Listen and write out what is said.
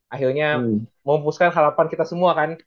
akhirnya memutuskan halapan kita semua kan